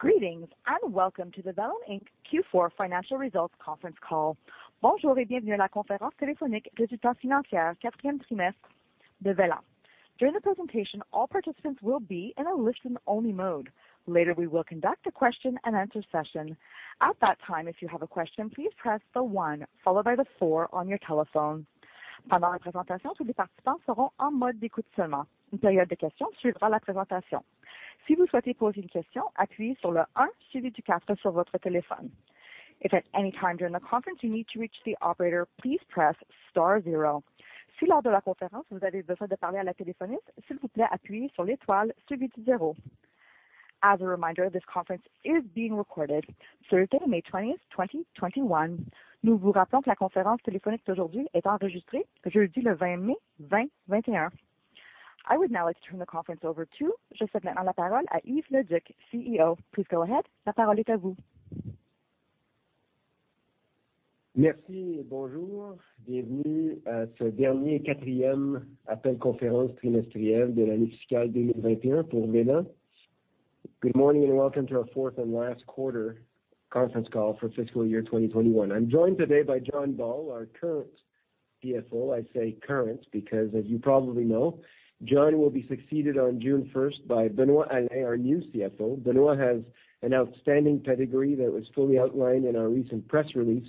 Greetings, welcome to the Velan Inc. Q4 financial results conference call. As a reminder, this conference is being recorded Thursday, May 20th, 2021. I would now like to turn the conference over to Yves Leduc, CEO. Please go ahead. Good morning, and welcome to our fourth and last quarter conference call for fiscal year 2021. I'm joined today by John Ball, our current CFO. I say current because as you probably know, John will be succeeded on June 1st by Benoit, our new CFO. Benoit has an outstanding pedigree that was fully outlined in our recent press release.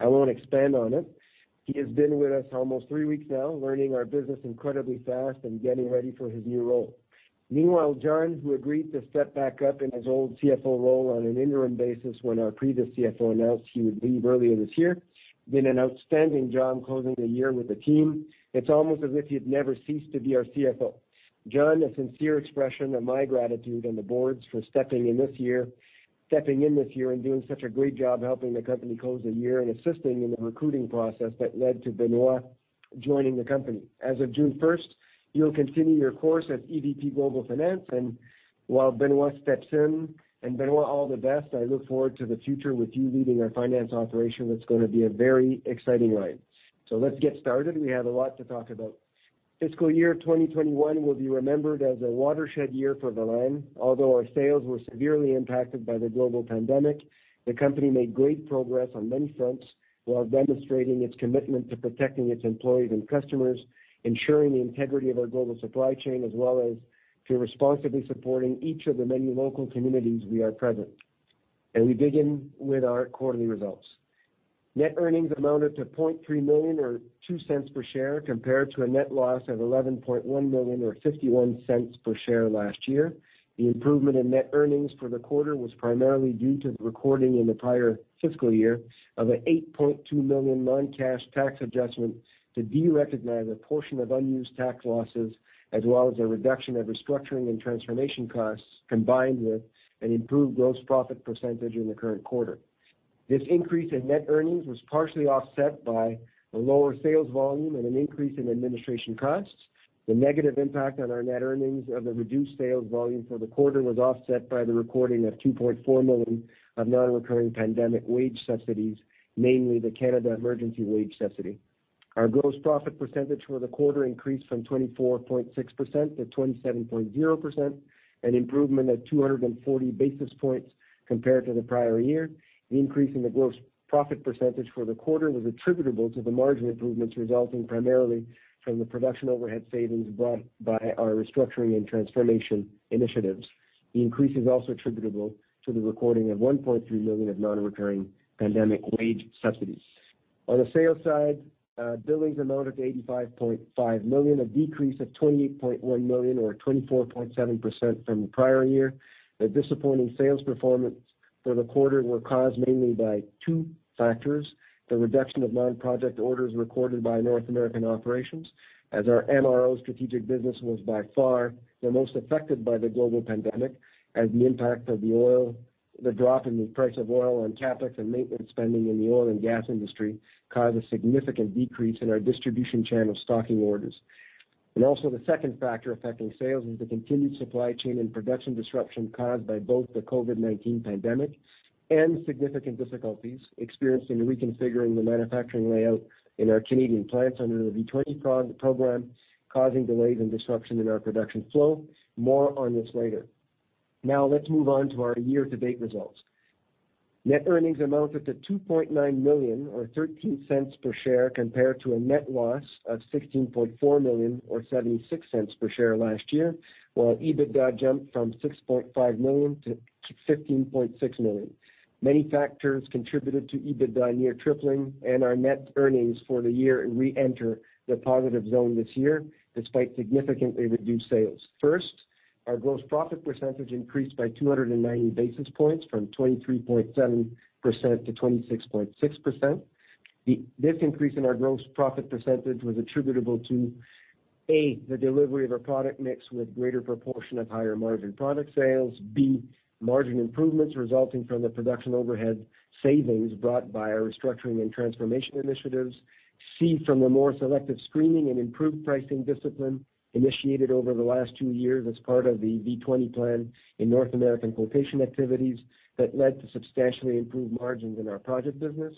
I won't expand on it. He has been with us almost three weeks now, learning our business incredibly fast and getting ready for his new role. Meanwhile, John, who agreed to step back up in his old CFO role on an interim basis when our previous CFO announced he would leave earlier this year, did an outstanding job closing the year with the team. It's almost as if he'd never ceased to be our CFO. John Ball, a sincere expression of my gratitude and the board's for stepping in this year and doing such a great job helping the company close the year and assisting in the recruiting process that led to Benoit joining the company. As of June 1st, you'll continue your course at EVP Global Finance and while Benoit steps in. Benoit, all the best. I look forward to the future with you leading our finance operation. It's going to be a very exciting ride. Let's get started. We have a lot to talk about. fiscal year 2021 will be remembered as a watershed year for Velan. Although our sales were severely impacted by the global pandemic, the company made great progress on many fronts while demonstrating its commitment to protecting its employees and customers, ensuring the integrity of our global supply chain, as well as to responsibly supporting each of the many local communities we are present. We begin with our quarterly results. Net earnings amounted to 0.3 million, or 0.02 per share, compared to a net loss of 11.1 million or 0.51 per share last year. The improvement in net earnings for the quarter was primarily due to the recording in the prior fiscal year of an 8.2 million non-cash tax adjustment to derecognize a portion of unused tax losses, as well as a reduction of restructuring and transformation costs, combined with an improved gross profit percentage in the current quarter. This increase in net earnings was partially offset by a lower sales volume and an increase in administration costs. The negative impact on our net earnings of the reduced sales volume for the quarter was offset by the recording of 2.4 million of non-recurring pandemic wage subsidies, namely the Canada Emergency Wage Subsidy. Our gross profit percentage for the quarter increased from 24.6%-27.0%, an improvement of 240 basis points compared to the prior year. The increase in the gross profit percentage for the quarter was attributable to the margin improvements resulting primarily from the production overhead savings brought by our restructuring and transformation initiatives. The increase is also attributable to the recording of 1.3 million of non-recurring pandemic wage subsidies. On the sales side, billings amounted to 85.5 million, a decrease of 28.1 million or 24.7% from the prior year. The disappointing sales performance for the quarter were caused mainly by two factors, the reduction of non-project orders recorded by North American operations, as our MRO strategic business was by far the most affected by the global pandemic as the drop in the price of oil and CapEx to maintenance spending in the oil and gas industry caused a significant decrease in our distribution channel stocking orders. Also, the second factor affecting sales was the continued supply chain and production disruption caused by both the COVID-19 pandemic and significant difficulties experienced in reconfiguring the manufacturing layout in our Canadian plants under the V20 program, causing delays and disruption in our production flow. More on this later. Now, let's move on to our year-to-date results. Net earnings amounted to 2.9 million or 0.13 per share compared to a net loss of 16.4 million or 0.76 per share last year, while EBITDA jumped from 6.5 million to 15.6 million. Many factors contributed to EBITDA near tripling and our net earnings for the year reenter the positive zone this year, despite significantly reduced sales. First, our gross profit percentage increased by 290 basis points from 23.7%-26.6%. This increase in our gross profit percentage was attributable to, A, the delivery of our product mix with greater proportion of higher margin product sales. B, margin improvements resulting from the production overhead savings brought by our restructuring and transformation initiatives. C, from a more selective screening and improved pricing discipline initiated over the last two years as part of the V20 plan in North American quotation activities that led to substantially improved margins in our project business.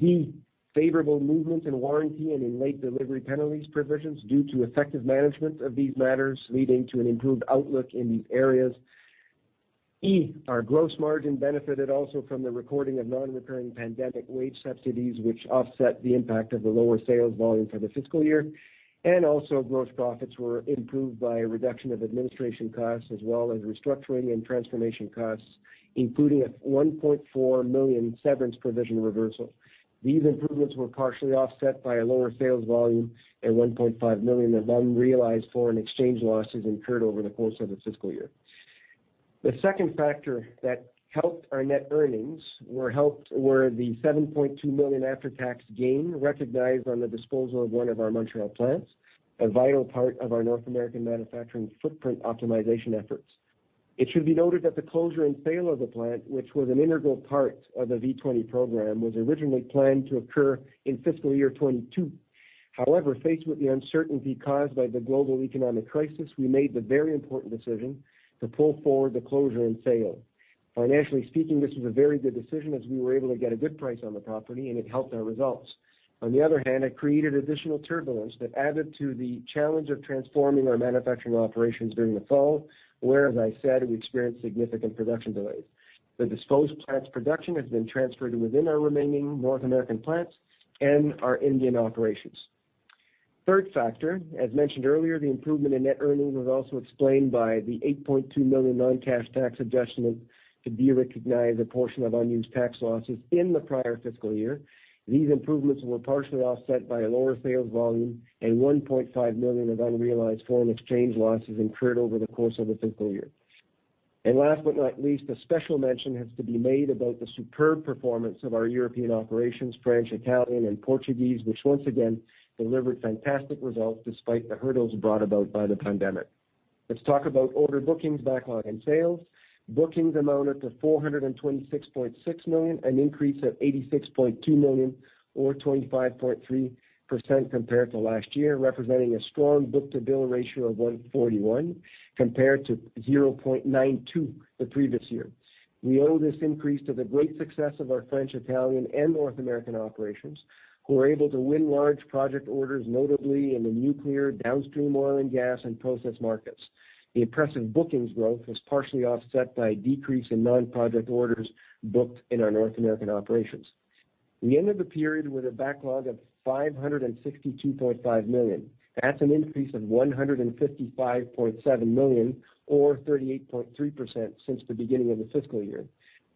D, favorable movements in warranty and in late delivery penalties provisions due to effective management of these matters leading to an improved outlook in these areas. E, our gross margin benefited also from the recording of non-recurring pandemic wage subsidies which offset the impact of the lower sales volume for the fiscal year, and also gross profits were improved by a reduction of administration costs as well as restructuring and transformation costs, including a 1.4 million severance provision reversal. These improvements were partially offset by a lower sales volume and 1.5 million of unrealized foreign exchange losses incurred over the course of the fiscal year. The second factor that helped our net earnings were the 7.2 million after-tax gain recognized on the disposal of one of our Montreal plants, a vital part of our North American manufacturing footprint optimization efforts. It should be noted that the closure and sale of the plant, which was an integral part of the V20 program, was originally planned to occur in fiscal year 2022. However, faced with the uncertainty caused by the global economic crisis, we made the very important decision to pull forward the closure and sale. Financially speaking, this was a very good decision as we were able to get a good price on the property and it helped our results. On the other hand, it created additional turbulence that added to the challenge of transforming our manufacturing operations during the fall, where, as I said, we experienced significant production delays. The disposed plant's production has been transferred to within our remaining North American plants and our Indian operations. Third factor, as mentioned earlier, the improvement in net earnings was also explained by the 8.2 million non-cash tax adjustment, reflecting the derecognition of a portion of unused tax losses in the prior fiscal year. These improvements were partially offset by a lower sales volume and 1.5 million of unrealized foreign exchange losses incurred over the course of the fiscal year. Last but not least, a special mention has to be made about the superb performance of our European operations, French, Italian, and Portuguese, which once again delivered fantastic results despite the hurdles brought about by the pandemic. Let's talk about order bookings, backlog, and sales. Bookings amounted to 426.6 million, an increase of 86.2 million or 25.3% compared to last year, representing a strong book-to-bill ratio of 1.41 compared to 0.92 the previous year. We owe this increase to the great success of our French, Italian, and North American operations, who were able to win large project orders, notably in the nuclear, downstream oil and gas, and process markets. The impressive bookings growth was partially offset by a decrease in non-project orders booked in our North American operations. The end of the period with a backlog of 562.5 million. That's an increase of 155.7 million or 38.3% since the beginning of the fiscal year.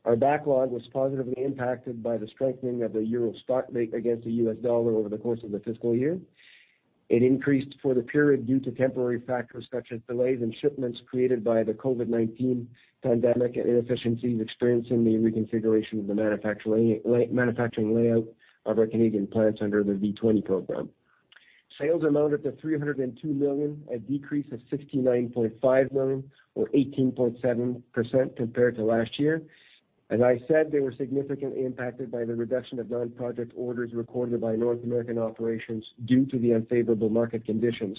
Our backlog was positively impacted by the strengthening of the euro spot rate against the U.S. dollar over the course of the fiscal year. It increased for the period due to temporary factors such as delays in shipments created by the COVID-19 pandemic and inefficiencies experienced in the reconfiguration of the manufacturing layout of our Canadian plants under the V20 program. Sales amounted to 302 million, a decrease of 69.5 million or 18.7% compared to last year. As I said, they were significantly impacted by the reduction of non-project orders recorded by North American operations due to the unfavorable market conditions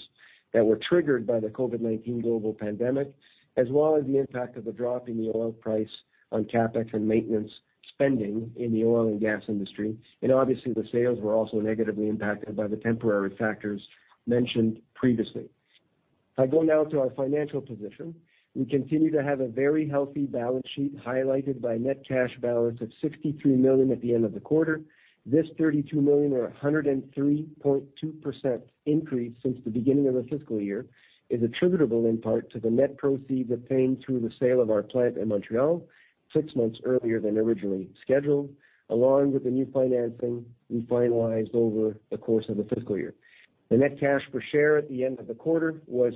that were triggered by the COVID-19 global pandemic, as well as the impact of the drop in the oil price on CapEx and maintenance spending in the oil and gas industry, and obviously the sales were also negatively impacted by the temporary factors mentioned previously. If I go now to our financial position, we continue to have a very healthy balance sheet highlighted by net cash balance of 63 million at the end of the quarter. This 32 million or 103.2% increase since the beginning of the fiscal year is attributable in part to the net proceeds obtained through the sale of our plant in Montreal six months earlier than originally scheduled, along with the new financing we finalized over the course of the fiscal year. The net cash per share at the end of the quarter was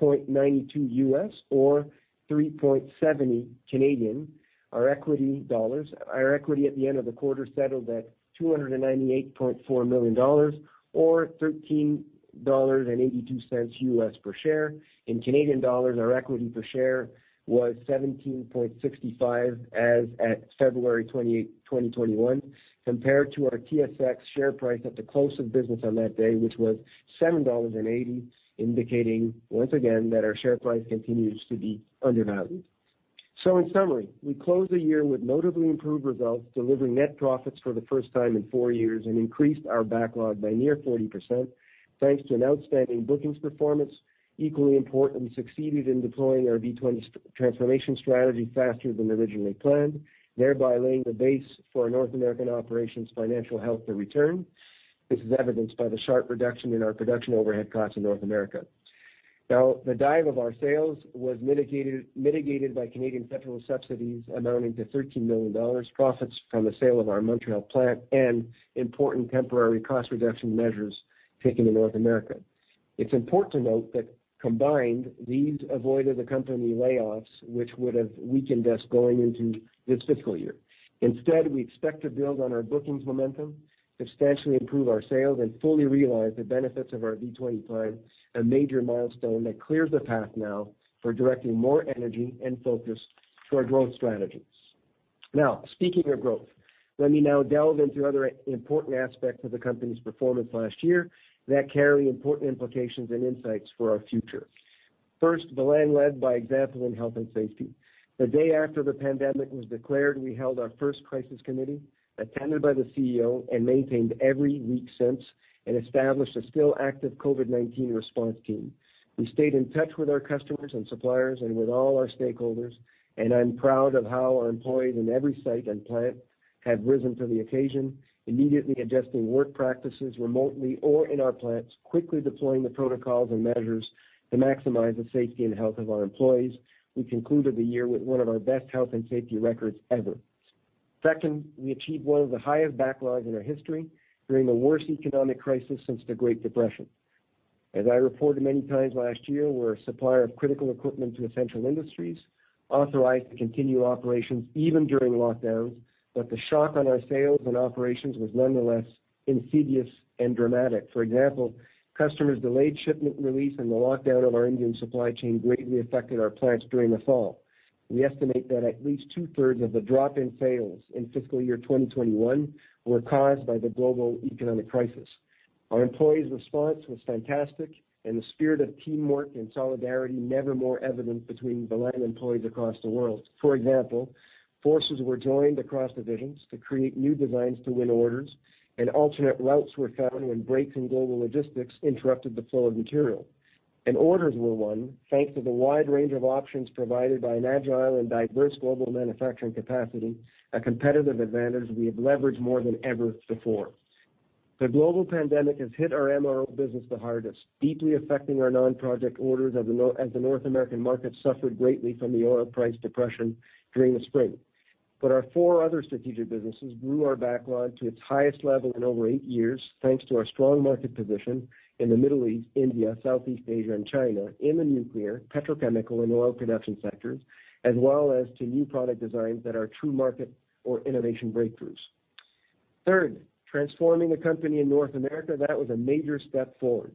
$2.92 or 3.70. Our equity at the end of the quarter settled at 298.4 million dollars or $13.82 per share. In Canadian dollars, our equity per share was 17.65 as at February 28, 2021, compared to our TSX share price at the close of business on that day, which was 7.80 dollars, indicating once again that our share price continues to be undervalued. In summary, we closed the year with notably improved results, delivering net profits for the first time in four years and increased our backlog by nearly 40% thanks to an outstanding bookings performance. Equally important, we succeeded in deploying our V20 transformation strategy faster than originally planned, thereby laying the base for our North American operations financial health to return. This is evidenced by the sharp reduction in our production overhead costs in North America. The dive of our sales was mitigated by Canadian federal subsidies amounting to 13 million dollars, profits from the sale of our Montreal plant, and important temporary cost reduction measures taken in North America. It's important to note that combined, these avoided the company layoffs, which would have weakened us going into this fiscal year. Instead, we expect to build on our bookings momentum, substantially improve our sales, and fully realize the benefits of our V20 plan, a major milestone that clears the path now for directing more energy and focus to our growth strategies. Speaking of growth, let me now delve into other important aspects of the company's performance last year that carry important implications and insights for our future. First, Velan led by example in health and safety. The day after the pandemic was declared, we held our first crisis committee, attended by the CEO, and maintained every week since, and established a still active COVID-19 response team. We stayed in touch with our customers and suppliers and with all our stakeholders, and I'm proud of how our employees in every site and plant have risen to the occasion, immediately adjusting work practices remotely or in our plants, quickly deploying the protocols and measures to maximize the safety and health of our employees. We concluded the year with one of our best health and safety records ever. Second, we achieved one of the highest backlogs in our history during the worst economic crisis since the Great Depression. As I reported many times last year, we're a supplier of critical equipment to essential industries, authorized to continue operations even during lockdowns, but the shock on our sales and operations was nonetheless insidious and dramatic. For example, customers delayed shipment release and the lockdown of our Indian supply chain greatly affected our plants during the fall. We estimate that at least two-thirds of the drop in sales in fiscal year 2021 were caused by the global economic crisis. Our employees' response was fantastic, and the spirit of teamwork and solidarity never more evident between Velan employees across the world. For example, forces were joined across divisions to create new designs to win orders, and alternate routes were found when breaks in global logistics interrupted the flow of material. Orders were won, thanks to the wide range of options provided by an agile and diverse global manufacturing capacity, a competitive advantage we have leveraged more than ever before. The global pandemic has hit our MRO business the hardest, deeply affecting our non-project orders as the North American market suffered greatly from the oil price depression during the spring. Our four other strategic businesses grew our backlog to its highest level in over eight years, thanks to our strong market position in the Middle East, India, Southeast Asia, and China in the nuclear, petrochemical, and oil production sectors, as well as to new product designs that are true market or innovation breakthroughs. Third, transforming the company in North America, that was a major step forward.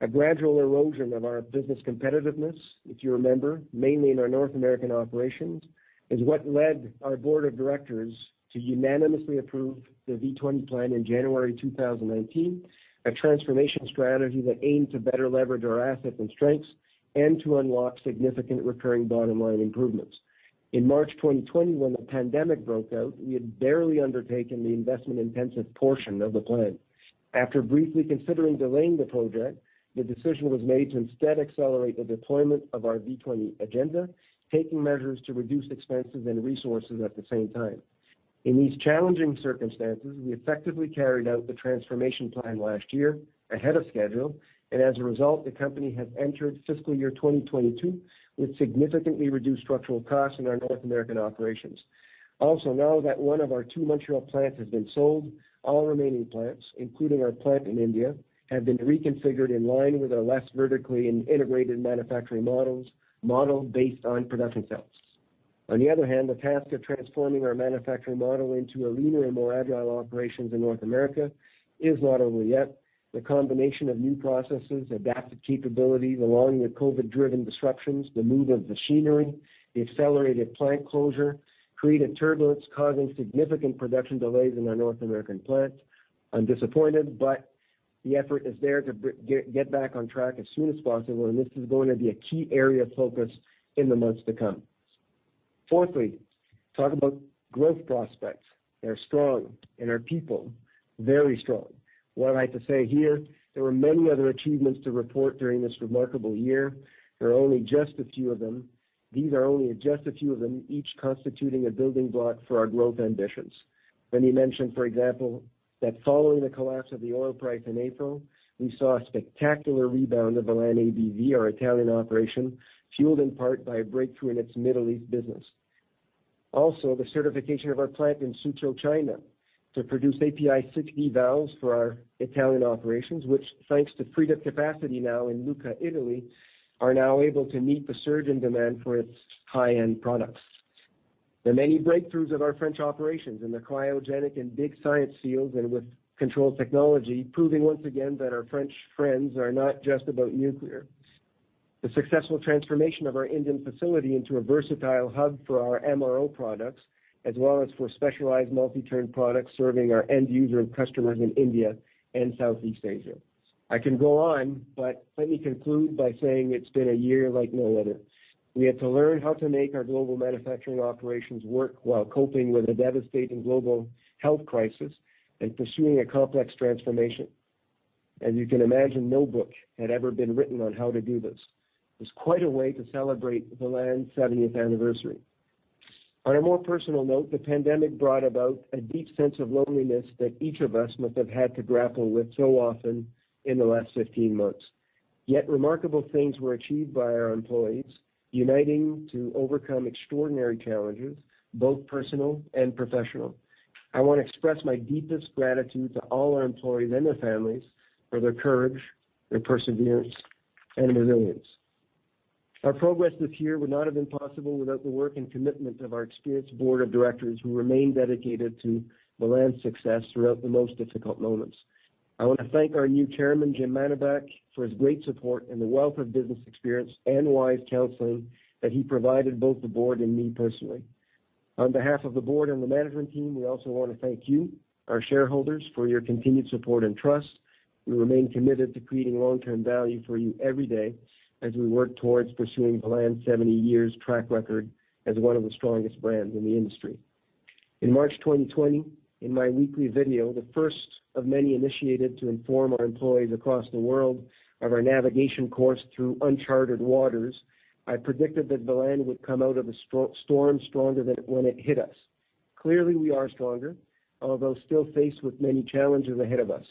A gradual erosion of our business competitiveness, if you remember, mainly in our North American operations, is what led our board of directors to unanimously approve the V20 plan in January 2019, a transformation strategy that aimed to better leverage our assets and strengths and to unlock significant recurring bottom-line improvements. In March 2020, when the pandemic broke out, we had barely undertaken the investment-intensive portion of the plan. After briefly considering delaying the project, the decision was made to instead accelerate the deployment of our V20 agenda, taking measures to reduce expenses and resources at the same time. In these challenging circumstances, we effectively carried out the transformation plan last year ahead of schedule, and as a result, the company has entered fiscal year 2022 with significantly reduced structural costs in our North American operations. Also, now that one of our two Montreal plants has been sold, all remaining plants, including our plant in India, have been reconfigured in line with our less vertically integrated manufacturing models, modeled based on production cells. On the other hand, the task of transforming our manufacturing model into a leaner and more agile operation in North America is not over yet. The combination of new processes, adapted capabilities along with COVID-driven disruptions, the move of machinery, the accelerated plant closure, created turbulence causing significant production delays in our North American plants. I'm disappointed, but the effort is there to get back on track as soon as possible, and this is going to be a key area of focus in the months to come. Fourthly, talk about growth prospects. They're strong, and our people, very strong. While I like to say here, there were many other achievements to report during this remarkable year. These are only just a few of them, each constituting a building block for our growth ambitions. Let me mention, for example, that following the collapse of the oil price in April, we saw a spectacular rebound of Velan ABV, our Italian operation, fueled in part by a breakthrough in its Middle East business. The certification of our plant in Suzhou, China, to produce API 6D valves for our Italian operations, which, thanks to freed-up capacity now in Lucca, Italy, are now able to meet the surging demand for its high-end products. The many breakthroughs of our French operations in the cryogenic and big science fields and with control technology, proving once again that our French friends are not just about nuclear. The successful transformation of our Indian facility into a versatile hub for our MRO products, as well as for specialized multi-turn products serving our end user and customers in India and Southeast Asia. I can go on, but let me conclude by saying it's been a year like no other. We had to learn how to make our global manufacturing operations work while coping with a devastating global health crisis and pursuing a complex transformation. As you can imagine, no book had ever been written on how to do this. It's quite a way to celebrate Velan's 70th anniversary. On a more personal note, the pandemic brought about a deep sense of loneliness that each of us must have had to grapple with so often in the last 15 months. Yet remarkable things were achieved by our employees, uniting to overcome extraordinary challenges, both personal and professional. I want to express my deepest gratitude to all our employees and their families for their courage, their perseverance, and resilience. Our progress this year would not have been possible without the work and commitment of our experienced board of directors, who remained dedicated to Velan's success throughout the most difficult moments. I want to thank our new Chairman, James Mannebach, for his great support and the wealth of business experience and wise counsel that he provided both the board and me personally. On behalf of the board and the management team, we also want to thank you, our shareholders, for your continued support and trust. We remain committed to creating long-term value for you every day as we work towards pursuing Velan's 70 years track record as one of the strongest brands in the industry. In March 2020, in my weekly video, the first of many initiated to inform our employees across the world of our navigation course through uncharted waters, I predicted that Velan would come out of the storm stronger than when it hit us. Clearly, we are stronger, although still faced with many challenges ahead of us.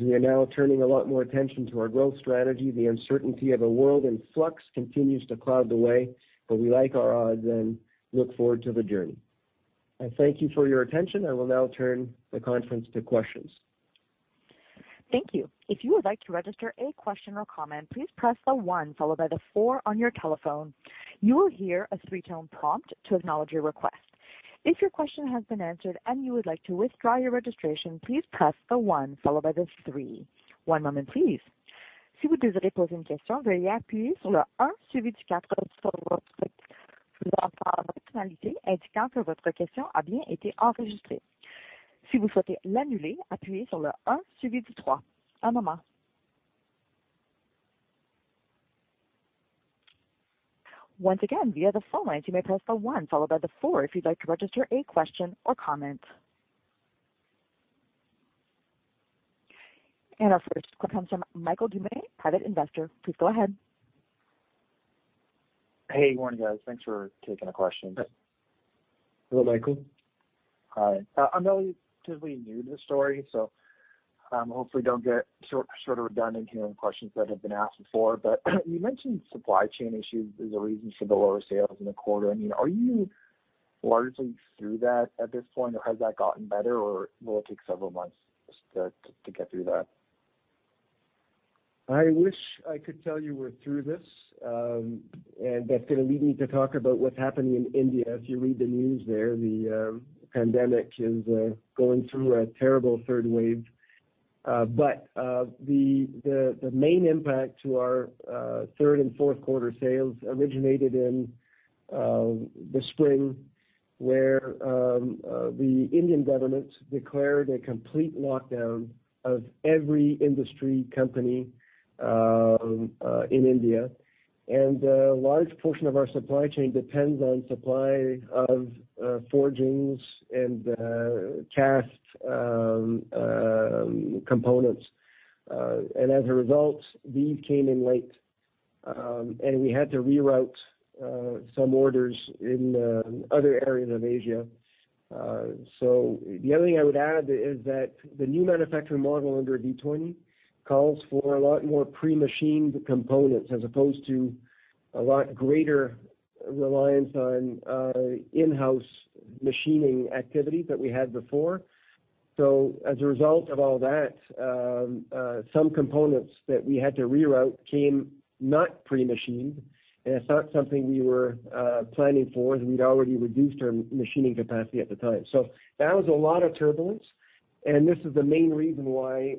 We are now turning a lot more attention to our growth strategy, the uncertainty of a world in flux continues to cloud the way. We like our odds and look forward to the journey. I thank you for your attention. I will now turn the conference to questions. Thank you. If you would like to register a question or comment, please press the one followed by the four on your telephone. You will hear a three-tone prompt to acknowledge your request. If your question has been answered and you would like to withdraw your registration, please press the one followed by the three. One moment please. Once again, via the phone line, you may press the one followed by the four if you'd like to register a question or comment. Our first question comes from Michael Dumais, private investor. Please go ahead. Hey, good morning, guys. Thanks for taking the question. Hello, Michael. All right. I'm relatively new to the story, so hopefully don't get sort of redundant here on questions that have been asked before, but you mentioned supply chain issues as a reason for the lower sales in the quarter. Are you largely through that at this point? Has that gotten better, or will it take several months just to get through that? I wish I could tell you we're through this, and that's going to lead me to talk about what's happening in India. As you read the news there, the pandemic is going through a terrible third wave. The main impact to our third and fourth quarter sales originated in the spring, where the Indian government declared a complete lockdown of every industry company in India. A large portion of our supply chain depends on supply of forgings and cast components. As a result, these came in late, and we had to reroute some orders in other areas of Asia. The only thing I would add is that the new manufacturing model under V20 calls for a lot more pre-machined components as opposed to a lot greater reliance on in-house machining activity that we had before. As a result of all that, some components that we had to reroute came not pre-machined, and it's not something we were planning for, as we'd already reduced our machining capacity at the time. That was a lot of turbulence, and this is the main reason why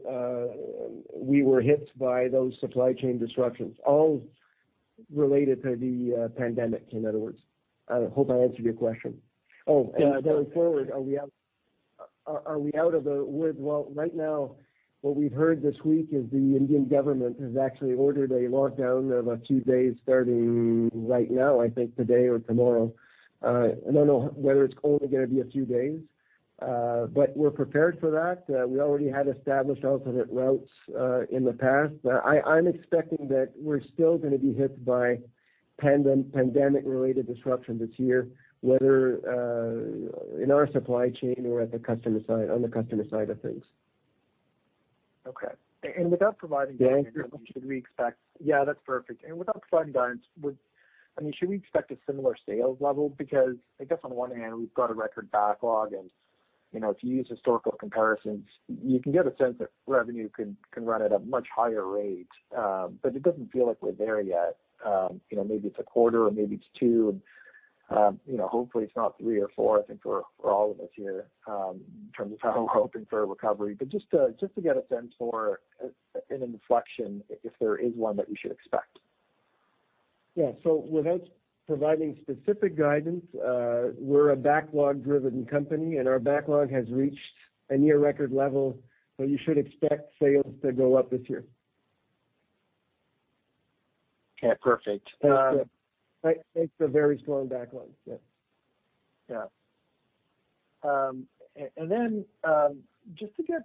we were hit by those supply chain disruptions, all related to the pandemic, in other words. I hope I answered your question. Going forward, are we out of the woods? Well, right now, what we heard this week is the Indian government has actually ordered a lockdown of a few days starting right now, I think today or tomorrow. I don't know whether it's only going to be a few days, but we're prepared for that. We already had established alternate routes in the past. I'm expecting that we're still going to be hit by pandemic-related disruptions this year, whether in our supply chain or on the customer side of things. Okay. Yeah, that's perfect. Without providing guidance, should we expect a similar sales level? I guess on one hand, we've got a record backlog, and if you use historical comparisons, you can get a sense that revenue can run at a much higher rate, but it doesn't feel like we're there yet. Maybe it's a quarter or maybe it's two, and hopefully it's not three or four, I think for all of us here in terms of hoping for a recovery. Just to get a sense for an inflection, if there is one that we should expect. Without providing specific guidance, we're a backlog-driven company, and our backlog has reached a near record level, so you should expect sales to go up this year. Okay, perfect. Thanks, Michael Dumais. Thanks for a very strong backlog, Michael Dumais. Yeah. Just to get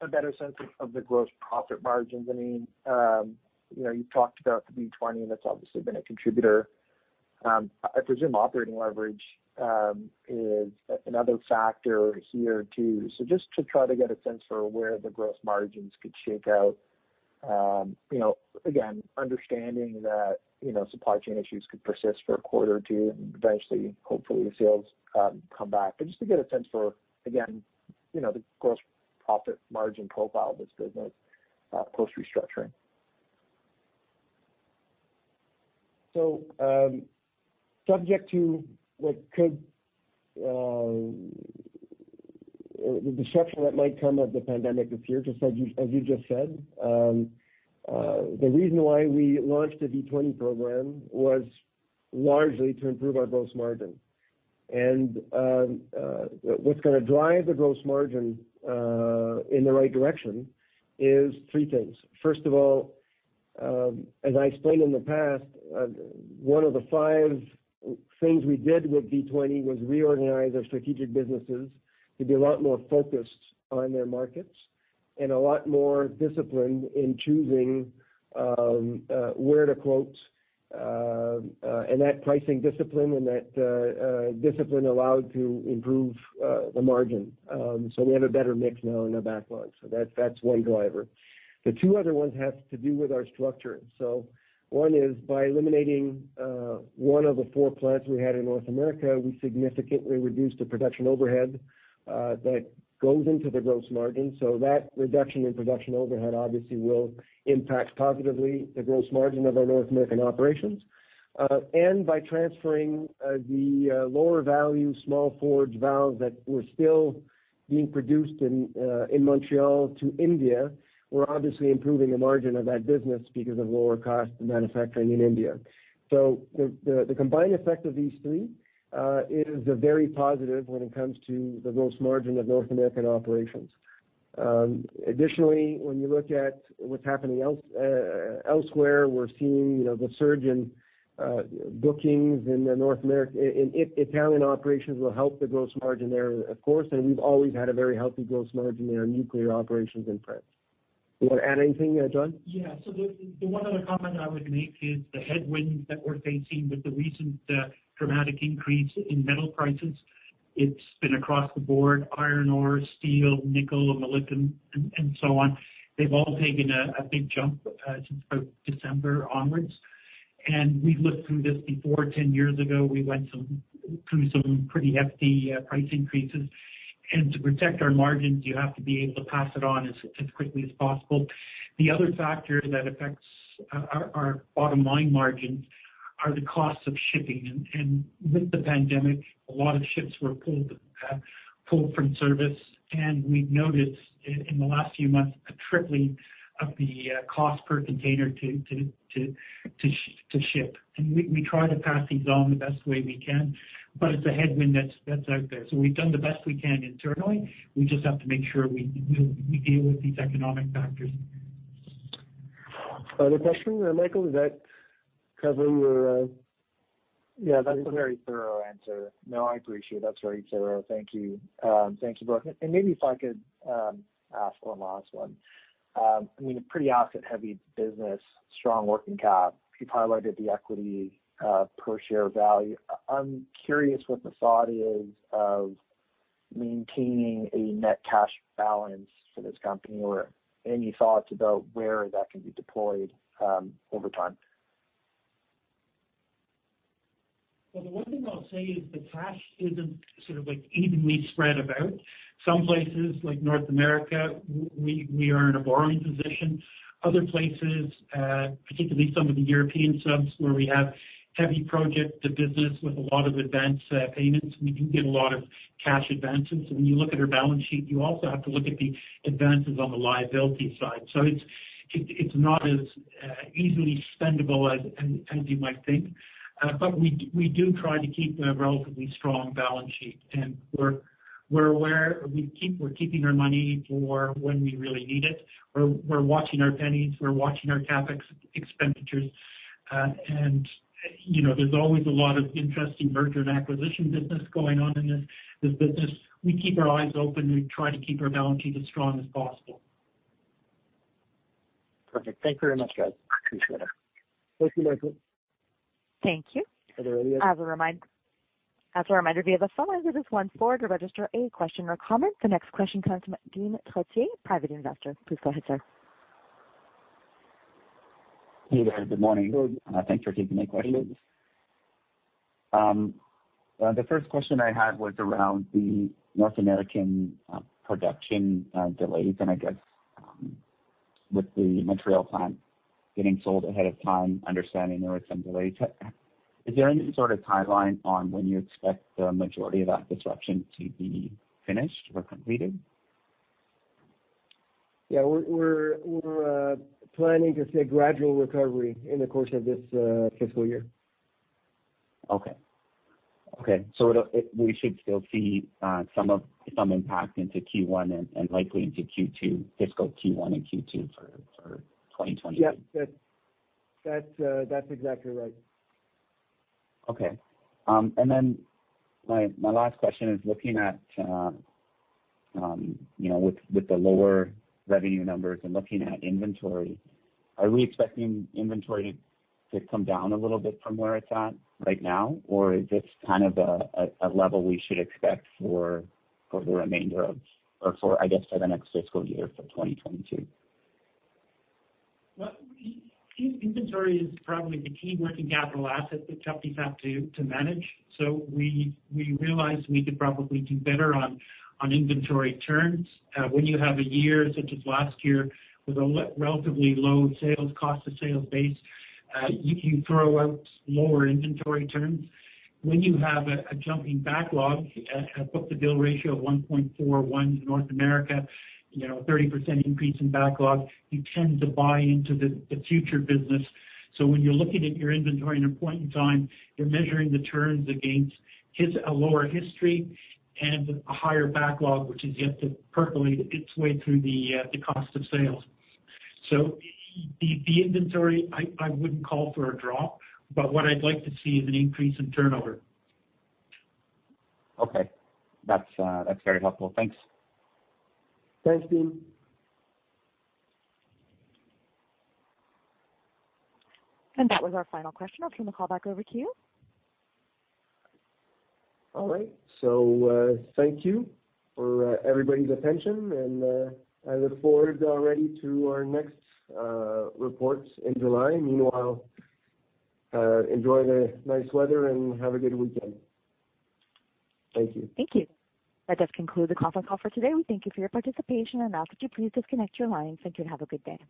a better sense of the gross profit margins, you've talked about the V20, that's obviously been a contributor. I presume operating leverage is another factor here too. Just to try to get a sense for where the gross margins could shake out. Again, understanding that supply chain issues could persist for a quarter or two, and eventually, hopefully, sales come back. Just to get a sense for, again, the gross profit margin profile of this business post-restructuring. The disruption that might come out of the pandemic appears just as you just said. The reason why we launched the V20 program was largely to improve our gross margin. What's going to drive the gross margin in the right direction is three things. First of all, as I've stated in the past, one of the five things we did with V20 was reorganize our strategic businesses to be a lot more focused on their markets and a lot more disciplined in choosing where to quote and that pricing discipline allowed to improve the margin. We have a better mix now in our backlog. That's one driver. The two other ones have to do with our structure. One is by eliminating one of the four plants we had in North America, we significantly reduced the production overhead that goes into the gross margin. That reduction in production overhead obviously will impact positively the gross margin of our North American operations. By transferring the lower value small forged valves that were still being produced in Montreal to India, we're obviously improving the margin of that business because of lower cost of manufacturing in India. The combined effect of these three is very positive when it comes to the gross margin of North American operations. Additionally, when you look at what's happening elsewhere, we're seeing the surge in bookings in the Italian operations will help the gross margin there, of course, and we've always had a very healthy gross margin in our nuclear operations in France. Do you want to add anything there, John? Yeah. The one other comment I would make is the headwinds that we're facing with the recent dramatic increase in metal prices. It's been across the board, iron ore, steel, nickel, molybdenum, and so on. They've all taken a big jump since about December onwards. We've lived through this before. 10 years ago, we went through some pretty hefty price increases. To protect our margins, you have to be able to pass it on as quickly as possible. The other factor that affects our bottom line margins are the cost of shipping. With the pandemic, a lot of ships were pulled from service, and we've noticed in the last few months a tripling of the cost per container to ship. We try to pass these on the best way we can, but it's a headwind that's out there. We've done the best we can internally. We just have to make sure we deal with these economic factors. Other questions, Michael? Does that cover your- Yeah, that's a very thorough answer. No, I appreciate it. That's very thorough. Thank you both. Maybe if I could ask one last one. I mean, a pretty asset-heavy business, strong working cap. You highlighted the equity per share value. I'm curious what the thought is of maintaining a net cash balance for this company, or any thoughts about where that can be deployed over time. Well, the one thing I'll say is the cash isn't evenly spread about. Some places like North America, we are in a borrowing position. Other places, particularly some of the European subs where we have heavy projects, the business with a lot of advance payments, we do get a lot of cash advances. When you look at our balance sheet, you also have to look at the advances on the liability side. It's not as easily spendable as you might think. We do try to keep a relatively strong balance sheet, and we're keeping our money for when we really need it. We're watching our pennies, we're watching our CapEx expenditures, and there's always a lot of interesting merger and acquisition business going on in this business. We keep our eyes open and try to keep our balance sheet as strong as possible. Perfect. Thank you very much, guys. Appreciate it. Thank you, Michael. Thank you. As a reminder to be on the phone for this one forward to register any question or comments. The next question comes from Dean Trottier, private investor. Please go ahead, sir. Hey there. Good morning. Thanks for taking my questions. The first question I had was around the North American production delays, and I guess with the Montreal plant getting sold ahead of time, understanding there was some delay to it. Is there any sort of timeline on when you expect the majority of that disruption to be finished or completed? Yeah. We're planning to see a gradual recovery in the course of this fiscal year. Okay. We should still see some impact into Q1 and likely into Q2, fiscal Q1 and Q2 for 2022. Yeah. That's exactly right. Okay. My last question is looking at with the lower revenue numbers and looking at inventory, are we expecting inventory to come down a little bit from where it's at right now, or is this a level we should expect for, I guess, for the next fiscal year for 2022? Inventory is probably the key working capital asset that companies have to manage. We realize we could probably do better on inventory turns. When you have a year such as last year with a relatively low sales, cost of sales base, you throw out lower inventory turns. When you have a jumping backlog, a book-to-bill ratio of 1.41 North America, 30% increase in backlog, you tend to buy into the future business. When you're looking at your inventory at any point in time, you're measuring the turns against a lower history and a higher backlog, which is yet to percolate its way through the cost of sales. The inventory, I wouldn't call for a drop, but what I'd like to see is an increase in turnover. Okay. That's very helpful. Thanks. Thanks, Dean. That was our final question. I'll turn the call back over to you. All right. Thank you for everybody's attention, and I look forward already to our next reports in July. Meanwhile, enjoy the nice weather and have a good weekend. Thank you. Thank you. That does conclude the conference call for today. Thank you for your participation. I'll ask that you please disconnect your lines. Thank you, have a good day.